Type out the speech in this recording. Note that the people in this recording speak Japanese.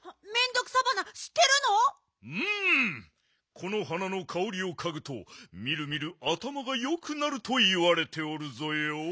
この花のかおりをかぐとみるみるあたまがよくなるといわれておるぞよ。